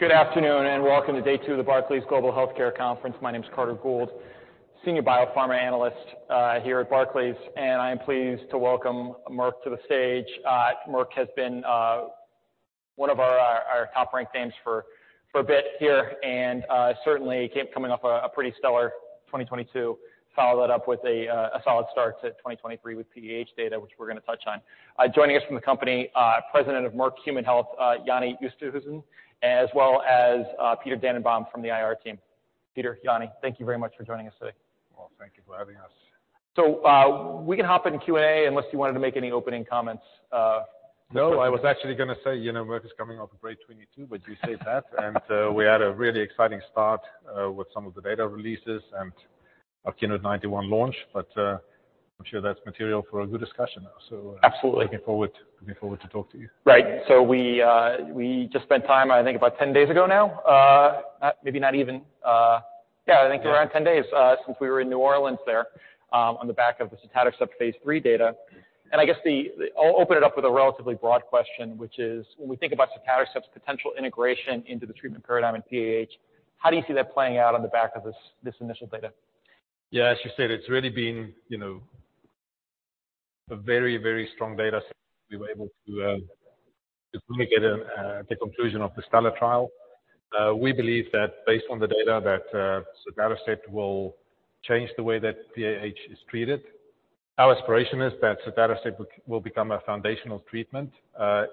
Good afternoon. Welcome to day two of the Barclays Global Healthcare Conference. My name is Carter Gould, Senior Biopharma Analyst here at Barclays, and I am pleased to welcome Merck to the stage. Merck has been one of our top-ranked names for a bit here and certainly keep coming off a pretty stellar 2022. Follow that up with a solid start to 2023 with PAH data, which we're going to touch on. Joining us from the company, President of Merck Human Health, Jannie Oosthuizen, as well as Peter Dannenbaum from the IR team. Peter, Jannie, thank you very much for joining us today. Well, thank you for having us. We can hop into Q&A unless you wanted to make any opening comments? No, I was actually gonna say, you know, Merck is coming off a great 2022, but you said that. We had a really exciting start with some of the data releases and KEYNOTE-091 launch. I'm sure that's material for a good discussion now. Absolutely Looking forward to talk to you. Right. We just spent time, I think about 10 days ago now. maybe not even. Yeah I think we're around 10 days, since we were in New Orleans there, on the back of the sotatercept phase III data. I guess I'll open it up with a relatively broad question, which is, when we think about sotatercept's potential integration into the treatment paradigm in PAH, how do you see that playing out on the back of this initial data? Yeah, as you said, it's really been, you know, a very, very strong data set we were able to communicate at the conclusion of the STELLAR trial. We believe that based on the data that sotatercept will change the way that PAH is treated. Our aspiration is that sotatercept will become a foundational treatment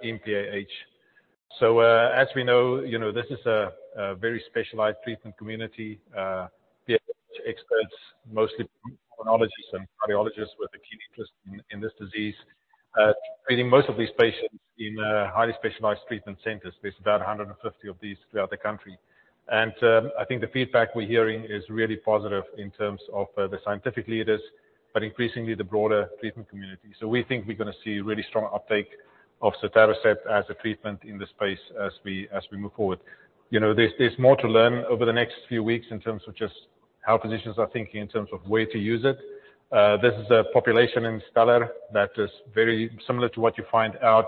in PAH. As we know, you know, this is a very specialized treatment community. PAH experts, mostly pulmonologists and cardiologists with a key interest in this disease. Treating most of these patients in a highly specialized treatment centers. There's about 150 of these throughout the country. I think the feedback we're hearing is really positive in terms of the scientific leaders, but increasingly the broader treatment community. We think we're gonna see really strong uptake of sotatercept as a treatment in the space as we move forward. You know, there's more to learn over the next few weeks in terms of just how physicians are thinking in terms of where to use it. This is a population in STELLAR that is very similar to what you find out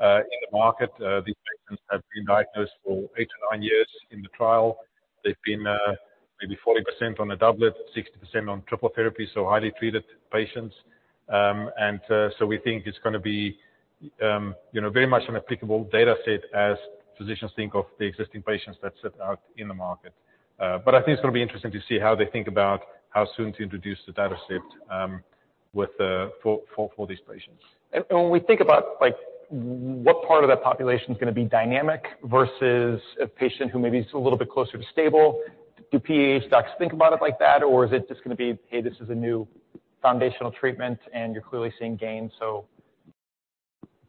in the market. These patients have been diagnosed for eight to nine years in the trial. They've been, maybe 40% on a doublet, 60% on triple therapy, so highly treated patients. We think it's gonna be, you know, very much an applicable data set as physicians think of the existing patients that sit out in the market. I think it's gonna be interesting to see how they think about how soon to introduce sotatercept, with, for these patients. When we think about, like, what part of that population is gonna be dynamic versus a patient who may be a little bit closer to stable. Do PAH docs think about it like that, or is it just gonna be, "Hey, this is a new foundational treatment, and you're clearly seeing gains, so.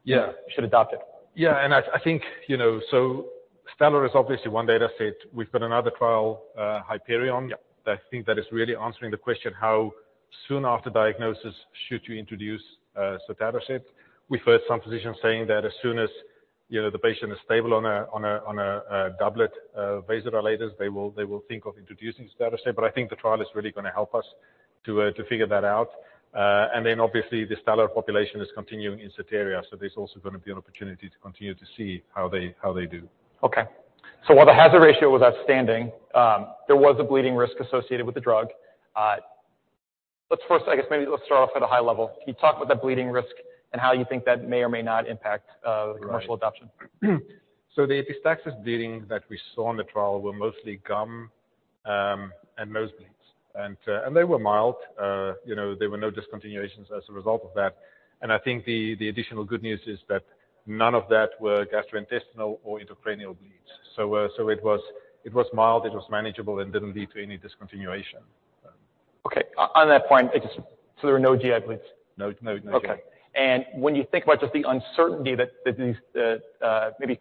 Yeah. You should adopt it"? Yeah. I think, you know. STELLAR is obviously one data set. We've got another trial, HYPERION. Yeah. I think that is really answering the question, how soon after diagnosis should you introduce sotatercept? We've heard some physicians saying that as soon as, you know, the patient is stable on a doublet vasorelaxers, they will think of introducing sotatercept. I think the trial is really gonna help us to figure that out. Then obviously the STELLAR population is continuing in Soteria, there's also gonna be an opportunity to continue to see how they do. Okay. While the hazard ratio was outstanding, there was a bleeding risk associated with the drug. Let's start off at a high level. Can you talk about that bleeding risk and how you think that may or may not impact? Right Commercial adoption? The epistaxis bleeding that we saw in the trial were mostly gum, and nose bleeds. They were mild. You know, there were no discontinuations as a result of that. I think the additional good news is that none of that were gastrointestinal or intracranial bleeds. Got it. It was mild, it was manageable, and didn't lead to any discontinuation. Okay. On that point, I just. There were no GI bleeds? No, no GI. Okay. When you think about just the uncertainty that these, maybe,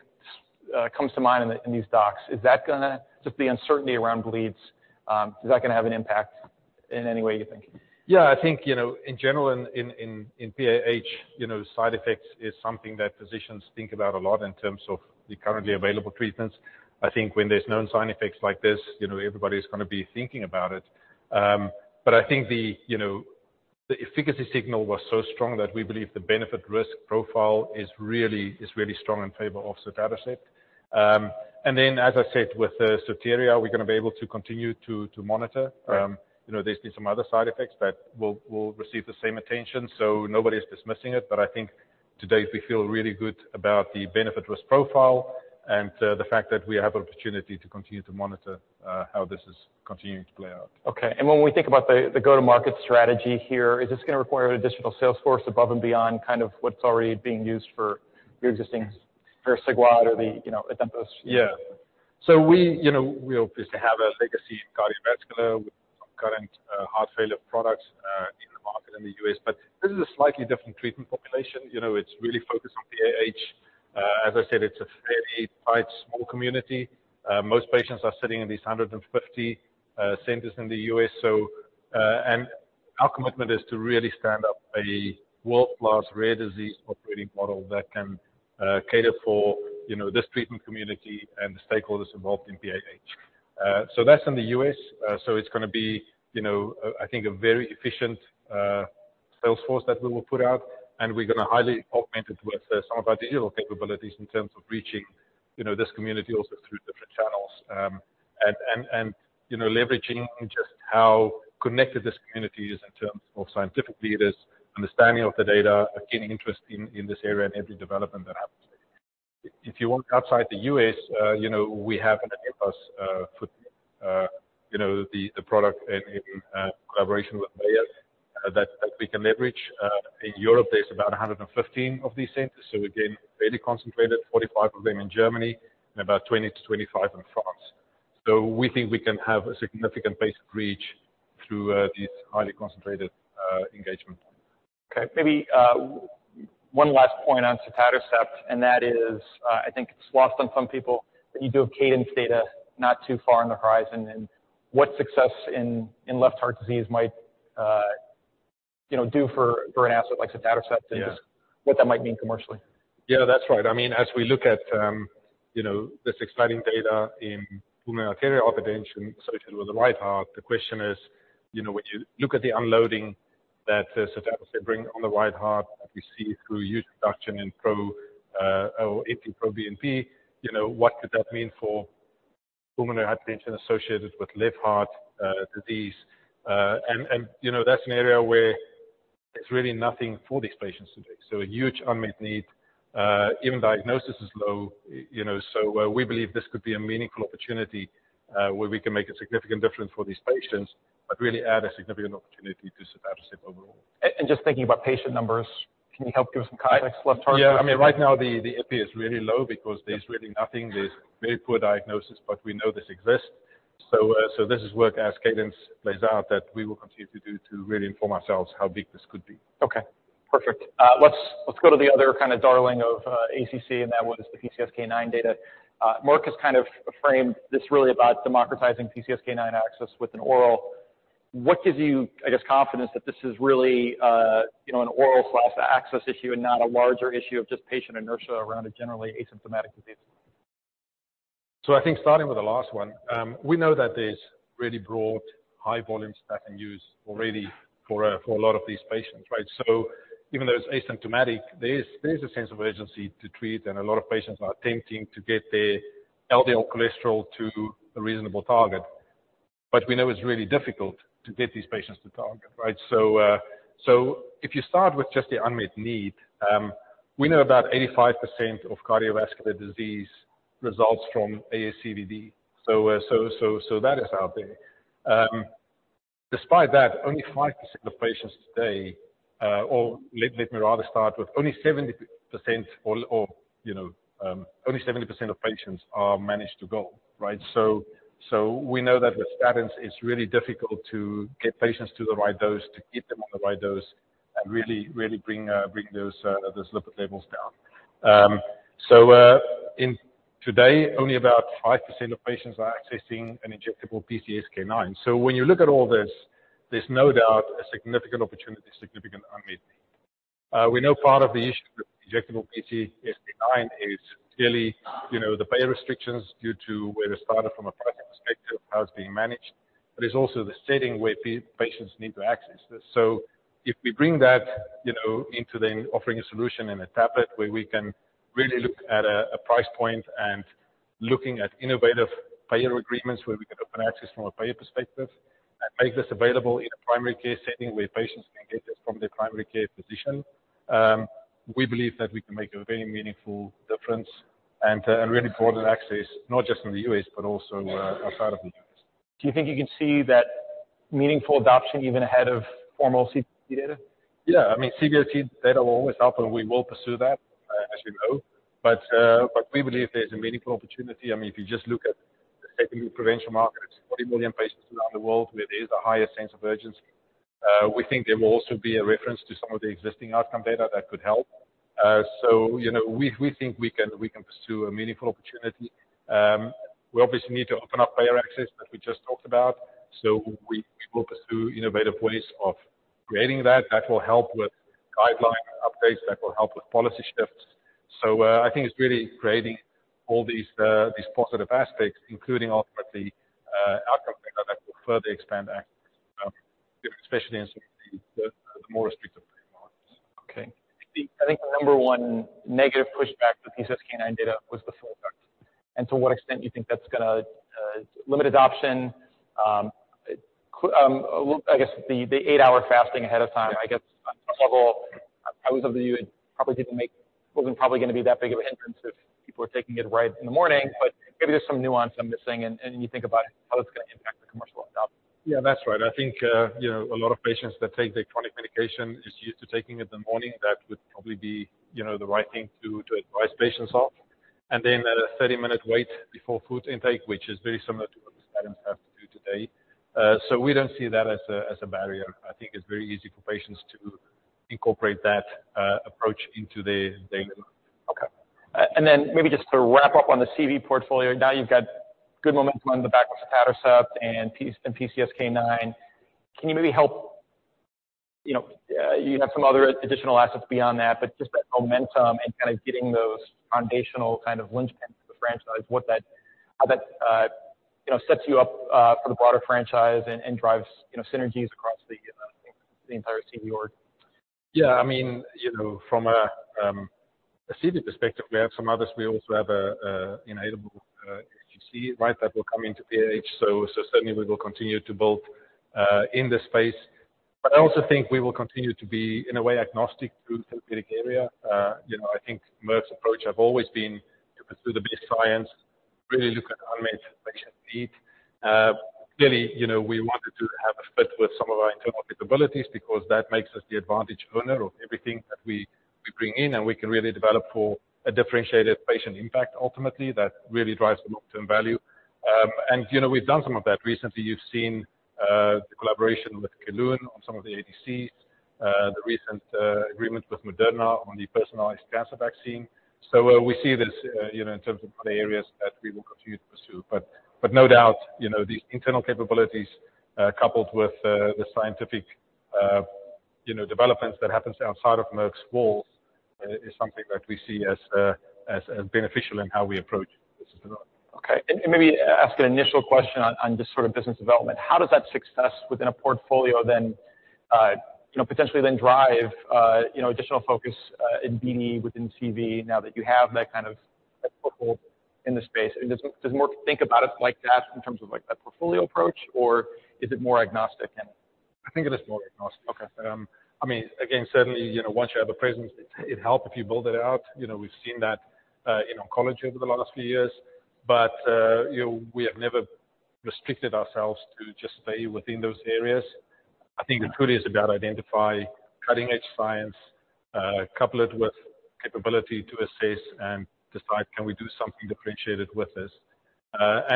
comes to mind in these docs, just the uncertainty around bleeds, is that gonna have an impact in any way you think? Yeah. I think, you know, in general in PAH, you know, side effects is something that physicians think about a lot in terms of the currently available treatments. I think when there's known side effects like this, you know, everybody's gonna be thinking about it. I think the, you know, the efficacy signal was so strong that we believe the benefit risk profile is really strong in favor of sotatercept. Then as I said with SOTERIA, we're gonna be able to continue to monitor. Right. You know, there's been some other side effects that will receive the same attention, so nobody's dismissing it. I think today we feel really good about the benefit risk profile and the fact that we have opportunity to continue to monitor how this is continuing to play out. Okay. When we think about the go-to-market strategy here, is this gonna require an additional sales force above and beyond kind of what's already being used for your existing for VERQUVO or the, you know, Adempas? We, you know, we obviously have a legacy in cardiovascular with some current heart failure products in the market in the U.S. This is a slightly different treatment population. You know, it's really focused on PAH. As I said, it's a fairly tight, small community. Most patients are sitting in these 150 centers in the U.S. Our commitment is to really stand up a world-class rare disease operating model that can cater for, you know, this treatment community and the stakeholders involved in PAH. That's in the U.S. It's gonna be, you know, I think a very efficient sales force that we will put out, and we're gonna highly augment it with some of our digital capabilities in terms of reaching, you know, this community also through different channels. And, you know, leveraging just how connected this community is in terms of scientific leaders, understanding of the data, a gaining interest in this area and every development that happens. If you want outside the U.S., you know, we have an, you know, the product in collaboration with Bayer that we can leverage. In Europe, there's about 115 of these centers. Again, really concentrated, 45 of them in Germany and about 20-25 in France. We think we can have a significant base of reach through these highly concentrated engagement. Okay. Maybe one last point on sotatercept, and that is, I think it's lost on some people that you do have CADENCE data not too far on the horizon. What success in left heart disease might, you know, do for an asset like sotatercept and just. Yeah. What that might mean commercially. Yeah, that's right. I mean, as we look at, you know, this exciting data in pulmonary arterial hypertension associated with the right heart, the question is, you know, when you look at the unloading that, sotatercept bring on the right heart that we see through huge reduction in or NT-proBNP, you know, what could that mean for pulmonary hypertension associated with left heart, disease? You know, that's an area where there's really nothing for these patients today. A huge unmet need. Even diagnosis is low, you know, so we believe this could be a meaningful opportunity, where we can make a significant difference for these patients, but really add a significant opportunity to sotatercept overall. Just thinking about patient numbers, can you help give us some context, left heart. Yeah. I mean, right now the EP is really low because there's really nothing. There's very poor diagnosis. We know this exists. This is work as CADENCE plays out that we will continue to do to really inform ourselves how big this could be. Okay. Perfect. let's go to the other kind of darling of ACC. That was the PCSK9 data. Merck has kind of framed this really about democratizing PCSK9 access with an oral. What gives you, I guess, confidence that this is really a, you know, an oral slash access issue and not a larger issue of just patient inertia around a generally asymptomatic disease? I think starting with the last one, we know that there's really broad high volume statin use already for a lot of these patients, right? Even though it's asymptomatic, there is a sense of urgency to treat, and a lot of patients are attempting to get their LDL cholesterol to a reasonable target. We know it's really difficult to get these patients to target, right? If you start with just the unmet need, we know about 85% of cardiovascular disease results from ASCVD. That is out there. Despite that, only 5% of patients today, or let me rather start with only 70% or, you know, only 70% of patients are managed to goal, right? We know that with statins it's really difficult to get patients to the right dose, to keep them on the right dose and really bring those lipid levels down. Today, only about 5% of patients are accessing an injectable PCSK9. When you look at all this, there's no doubt a significant opportunity, significant unmet need. We know part of the issue with injectable PCSK9 is clearly, you know, the payer restrictions due to where to start it from a price perspective, how it's being managed. It's also the setting where patients need to access this. If we bring that, you know, into then offering a solution in a tablet where we can really look at a price point and looking at innovative payer agreements where we can open access from a payer perspective and make this available in a primary care setting where patients can get this from their primary care physician, we believe that we can make a very meaningful difference and really broaden access, not just in the U.S. but also outside of the U.S. Do you think you can see that meaningful adoption even ahead of formal CV data? Yeah. I mean, CV data will always help, and we will pursue that, as you know. We believe there's a meaningful opportunity. I mean, if you just look at the secondary prevention market, it's 40 million patients around the world where there's a higher sense of urgency. We think there will also be a reference to some of the existing outcome data that could help. You know, we think we can pursue a meaningful opportunity. We obviously need to open up payer access that we just talked about. We will pursue innovative ways of creating that. That will help with guideline updates, that will help with policy shifts. I think it's really creating all these positive aspects, including ultimately, outcome data that will further expand access, especially in some of the more restricted markets. Okay. I think the number one negative pushback to PCSK9 data was the full effects and to what extent you think that's gonna limit adoption. I guess the eight-hour fasting ahead of time, I guess, on some level, that was something you had probably didn't make. It wasn't probably gonna be that big of a hindrance if people are taking it right in the morning, but maybe there's some nuance I'm missing and you think about how that's gonna impact the commercial adoption. Yeah, that's right. I think, you know, a lot of patients that take their chronic medication is used to taking it in the morning. That would probably be, you know, the right thing to advise patients of. Then a 30-minute wait before food intake, which is very similar to what the statins have to do today. We don't see that as a barrier. I think it's very easy for patients to incorporate that approach into their daily life. Okay. Maybe just to wrap up on the CV portfolio. Now you've got good momentum on the back of sotatercept and PCSK9. Can you maybe help. You know, you have some other additional assets beyond that, but just that momentum and kinda getting those foundational kind of linchpins to the franchise, what that. How that, you know, sets you up for the broader franchise and drives, you know, synergies across the entire CV org. Yeah. I mean, you know, from a CV perspective, we have some others. We also have a, you know, edible HTC, right? That will come into PAH. Certainly we will continue to build in this space. I also think we will continue to be, in a way, agnostic to therapeutic area. You know, I think Merck's approach have always been to pursue the best science, really look at unmet patient need. Clearly, you know, we wanted to have a fit with some of our internal capabilities because that makes us the advantage owner of everything that we bring in, and we can really develop for a differentiated patient impact ultimately, that really drives some long-term value. You know, we've done some of that recently. You've seen the collaboration with Kelun-Biotech on some of the ADCs, the recent agreement with Moderna on the personalized cancer vaccine. We see this, you know, in terms of other areas that we will continue to pursue. No doubt, you know, these internal capabilities, coupled with the scientific, you know, developments that happens outside of Merck's walls, is something that we see as beneficial in how we approach this development. Okay. Maybe ask an initial question on just sort of business development. How does that success within a portfolio then, you know, potentially then drive, you know, additional focus in BE within CV now that you have that kind of, that foothold in the space? Does Merck think about it like that in terms of, like, that portfolio approach, or is it more agnostic? I think it is more agnostic. Okay. I mean, again, certainly, you know, once you have a presence, it help if you build it out. You know, we've seen that in oncology over the last few years. You know, we have never restricted ourselves to just stay within those areas. I think the key is about identify cutting-edge science, couple it with capability to assess and decide, can we do something differentiated with this?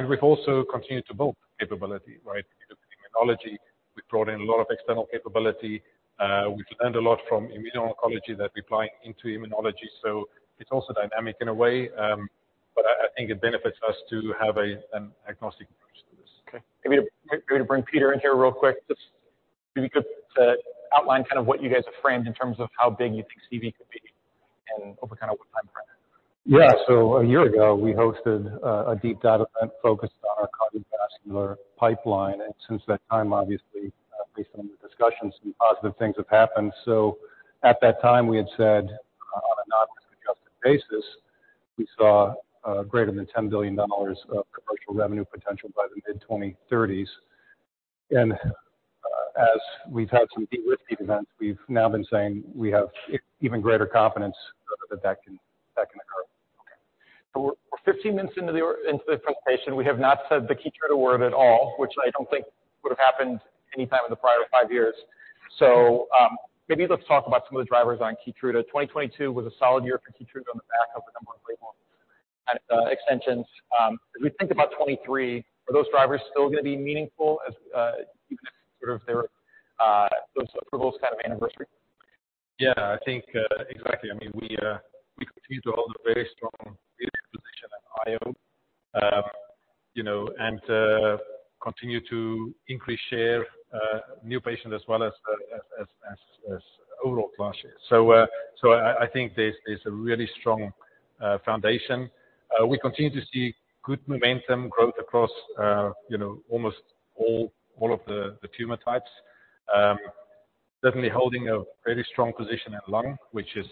We've also continued to build capability, right? If you look at immunology, we've brought in a lot of external capability. We've learned a lot from immuno-oncology that we apply into immunology, so it's also dynamic in a way. I think it benefits us to have an agnostic approach to this. Okay. Maybe to bring Peter in here real quick. Just if you could outline kind of what you guys have framed in terms of how big you think CV could be and over kind of what time frame? A year ago, we hosted a deep dive event focused on our cardiovascular pipeline. Since that time, obviously, based on the discussions, some positive things have happened. At that time, we had said, on a non-adjusted basis, we saw greater than $10 billion of commercial revenue potential by the mid-2030s. As we've had some de-risking events, we've now been saying we have even greater confidence that that can occur. Okay. We're 15 minutes into the presentation. We have not said the KEYTRUDA word at all, which I don't think would have happened anytime in the prior five years. Maybe let's talk about some of the drivers on KEYTRUDA. 2022 was a solid year for KEYTRUDA on the back of the number of label extensions. As we think about 2023, are those drivers still gonna be meaningful as even if sort of their those approvals kind of anniversary? Yeah, I think, exactly. I mean, we continue to hold a very strong leadership position at IO, you know, and continue to increase share, new patient as well as overall class share. I think there's a really strong foundation. We continue to see good momentum growth across, you know, almost all of the tumor types. Certainly holding a very strong position in lung, which is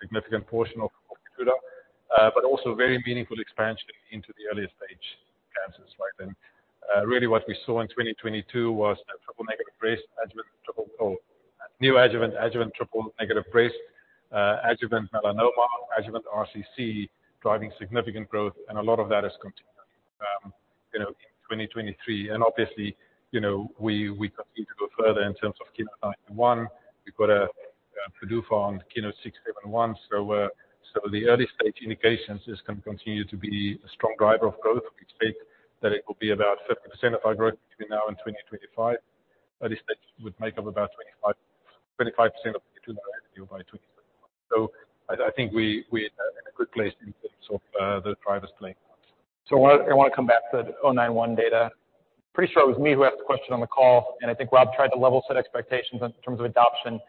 significant portion of KEYTRUDA, but also very meaningful expansion into the earliest stage cancers like them. Really what we saw in 2022 was triple-negative breast adjuvant Oh, new adjuvant triple-negative breast, adjuvant melanoma, adjuvant RCC driving significant growth, and a lot of that is continuing, you know, in 2023. Obviously, you know, we continue to go further in terms of KEYNOTE-921. We've got PEARLS on KEYNOTE-671. The early-stage indications is gonna continue to be a strong driver of growth. We expect that it will be about 30% of our growth between now and 2025. Early stages would make up about 25% of KEYTRUDA revenue by 2027. I think we're in a, in a good place in terms of the drivers playing out. I wanna come back to the 091 data. Pretty sure it was me who asked the question on the call, and I think Rob tried to level set expectations in terms of adoption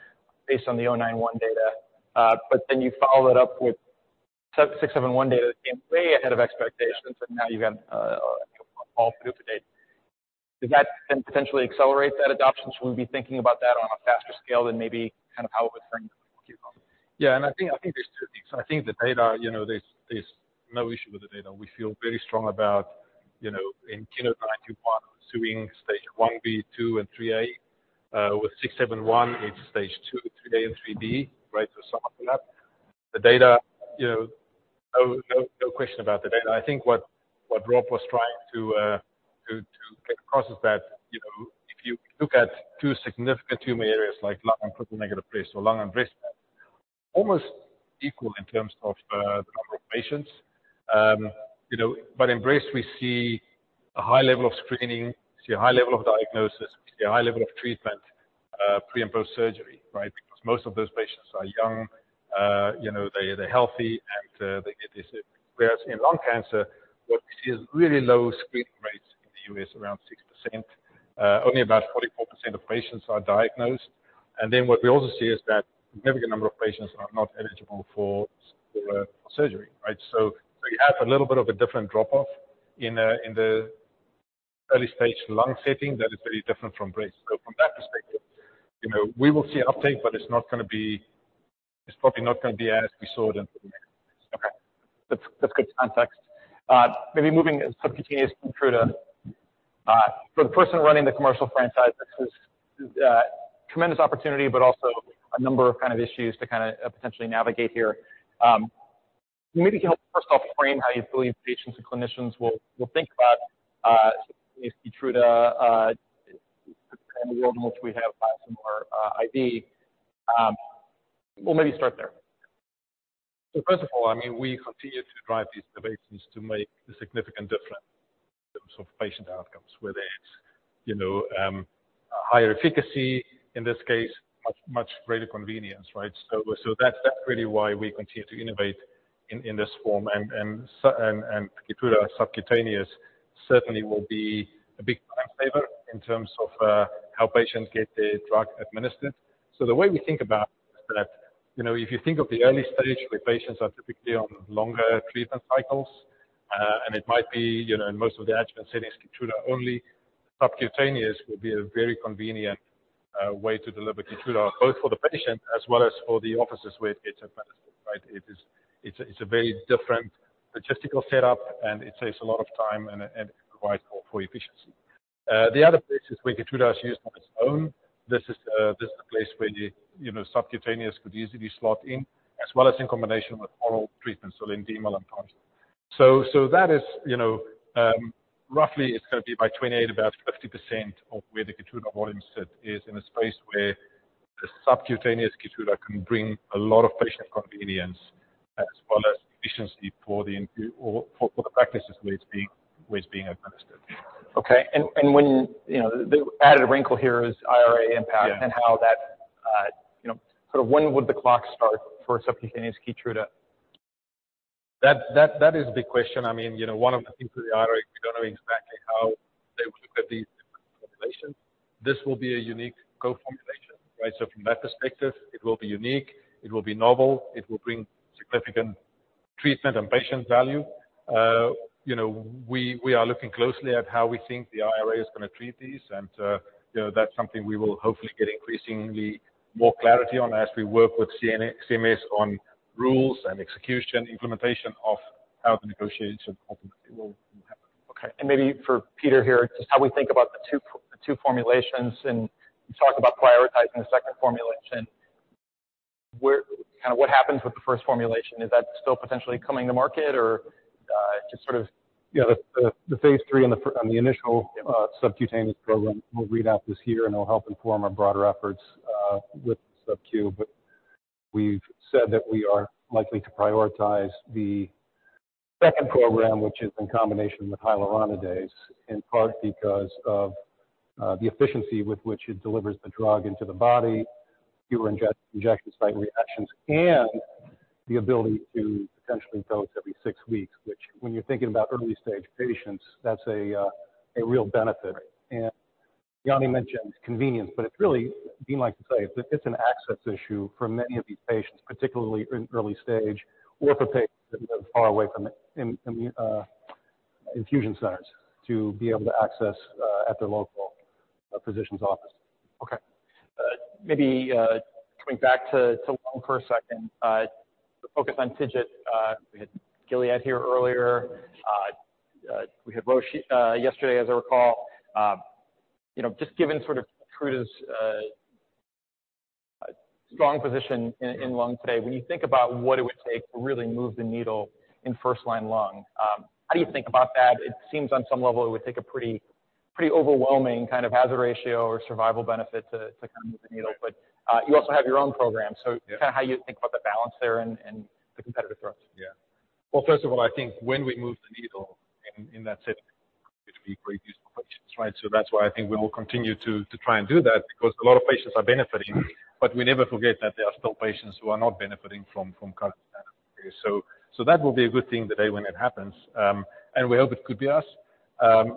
based on the 091 data. You followed it up with 671 data that came way ahead of expectations, and now you got, you know, all through to date. Does that then potentially accelerate that adoption? Should we be thinking about that on a faster scale than maybe kind of how we're framing KEYTRUDA? I think there's two things. I think the data, you know, there's no issue with the data. We feel very strong about, you know, in KEYNOTE-921, pursuing stage I-B, II, and III-A. With KEYNOTE-671, it's stage II, III-A, and III-B, right? Some of that. The data, you know, no question about the data. I think what Rob was trying to get across is that, you know, if you look at two significant tumor areas like lung and triple-negative breast, so lung and breast, almost equal in terms of the number of patients. You know, but in breast, we see a high level of screening, we see a high level of diagnosis, we see a high level of treatment, pre and post-surgery, right? Because most of those patients are young, you know, they're healthy, and they get this. Whereas in lung cancer, what we see is really low screening rates in the U.S., around 6%. Only about 44% of patients are diagnosed. What we also see is that a significant number of patients are not eligible for surgery, right. You have a little bit of a different drop-off in the early-stage lung setting that is very different from breast. From that perspective, you know, we will see an uptake, but it's probably not gonna be as we saw it in. Okay. That's good context. Maybe moving subcutaneous KEYTRUDA. For the person running the commercial franchise, this is tremendous opportunity, but also a number of kind of issues to kinda potentially navigate here. Maybe help first off frame how you believe patients and clinicians will think about subcutaneous KEYTRUDA in a world in which we have biosimilar IV. Well, maybe start there. First of all, I mean, we continue to drive these innovations to make a significant difference in terms of patient outcomes, whether it's, you know, higher efficacy, in this case, much, much greater convenience, right? That's really why we continue to innovate in this form. KEYTRUDA subcutaneous certainly will be a big time saver in terms of how patients get their drug administered. The way we think about it is that, you know, if you think of the early stage where patients are typically on longer treatment cycles, and it might be, you know, in most of the adjuvant settings, KEYTRUDA only subcutaneous will be a very convenient way to deliver KEYTRUDA, both for the patient as well as for the offices where it gets administered, right? It's a very different logistical setup, and it saves a lot of time and provides for efficiency. The other places where KEYTRUDA is used on its own, this is a place where you know, subcutaneous could easily slot in, as well as in combination with oral treatments, so lentiginous melanomas. So that is, you know, roughly it's gonna be by 2028, about 50% of where the KEYTRUDA volume sit is in a space where the subcutaneous KEYTRUDA can bring a lot of patient convenience as well as efficiency for the practices where it's being administered. Okay. When, you know, the added wrinkle here is IRA impact- Yeah. How that, you know, sort of when would the clock start for subcutaneous KEYTRUDA? That is a big question. I mean, you know, one of the things with the IRA, we don't know exactly how they will look at these different formulations. This will be a unique co-formulation, right? From that perspective, it will be unique, it will be novel, it will bring significant treatment and patient value. You know, we are looking closely at how we think the IRA is gonna treat these. You know, that's something we will hopefully get increasingly more clarity on as we work with CMS on rules and execution, implementation of how the negotiations ultimately will happen. Okay. Maybe for Peter here, just how we think about the two formulations, and you talked about prioritizing the second formulation. Kinda what happens with the first formulation? Is that still potentially coming to market, or just sort of? Yeah. The phase III and the fir, and the initial. Yeah. Subcutaneous program will read out this year. It'll help inform our broader efforts with subQ. We've said that we are likely to prioritize the second program, which is in combination with hyaluronidase, in part because of the efficiency with which it delivers the drug into the body, fewer injections, site reactions, and the ability to potentially dose every six weeks. When you're thinking about early-stage patients, that's a real benefit. Right. Jannie mentioned convenience, but it's really, like you say, it's an access issue for many of these patients, particularly in early stage or for patients that live far away from in infusion centers, to be able to access at their local physician's office. Okay, coming back to lung for a second, the focus on TIGIT. We had Gilead here earlier. We had Roche yesterday, as I recall. You know, just given KEYTRUDA's strong position in lung today, when you think about what it would take to really move the needle in first-line lung, how do you think about that? It seems on some level it would take a pretty overwhelming kind of hazard ratio or survival benefit to kind of move the needle. Yeah. You also have your own program. Yeah. Kinda how you think about the balance there and the competitive threats. Well, first of all, I think when we move the needle in that setting, which will be great news for patients, right? That's why I think we will continue to try and do that because a lot of patients are benefiting. We never forget that there are still patients who are not benefiting from current standard of care. That will be a good thing the day when it happens. We hope it could be us.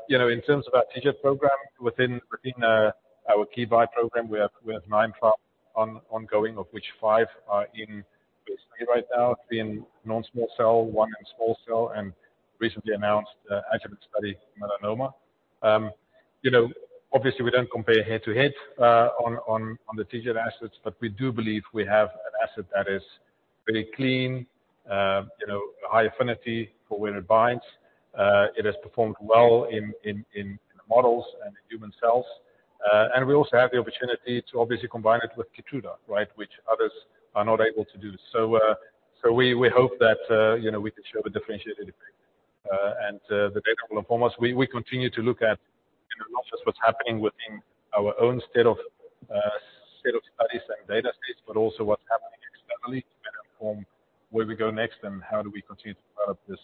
You know, in terms of our TIGIT program within our KeyVibe program, we have 9 trials ongoing, of which five are in phase III right now, three in non-small cell, one in small cell, and recently announced the adjuvant study in melanoma. You know, obviously, we don't compare head-to-head on the TIGIT assets. We do believe we have an asset that is very clean, you know, high affinity for where it binds. It has performed well in the models and in human cells. We also have the opportunity to obviously combine it with KEYTRUDA, right? Which others are not able to do. We hope that, you know, we can show a differentiated effect. The data will inform us. We continue to look at, you know, not just what's happening within our own set of studies and data sets, but also what's happening externally to better inform where we go next and how do we continue to develop this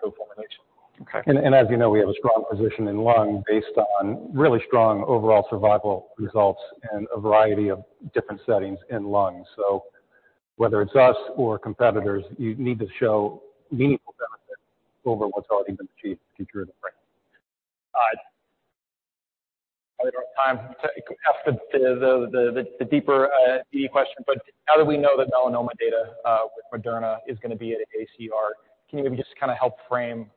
co-formulation. Okay. As you know, we have a strong position in lung based on really strong overall survival results in a variety of different settings in lung. Whether it's us or competitors, you need to show meaningful benefit over what's already been achieved with KEYTRUDA. I don't have time to ask the deeper DE question. Now that we know that melanoma data with Moderna is gonna be at AACR, can you maybe just kinda help frame,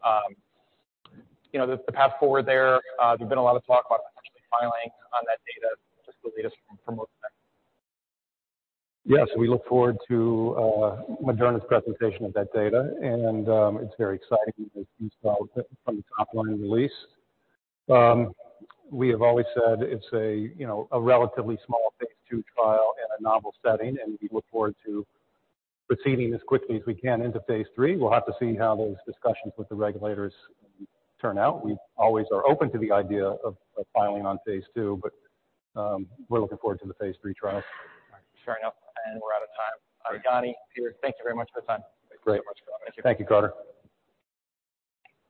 you know, the path forward there? There's been a lot of talk about potentially filing on that data. Just the latest from Roche. Yes. We look forward to Moderna's presentation of that data. It's very exciting. We've seen strong top line release. We have always said it's a, you know, a relatively small phase II trial in a novel setting. We look forward to proceeding as quickly as we can into phase III. We'll have to see how those discussions with the regulators turn out. We always are open to the idea of filing on phase II. We're looking forward to the phase III trial. All right. Fair enough. We're out of time. All right. Jannie, Peter, thank you very much for the time. Thanks so much, Carter. Great. Thank you, Carter.